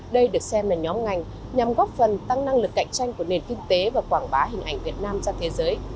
đây được xem là nhóm ngành nhằm góp phần tăng năng lực cạnh tranh của nền kinh tế và quảng bá hình ảnh việt nam ra thế giới